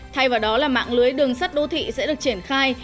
thay vào đó là mạng lưới đường sắt đô thị sẽ được triển khai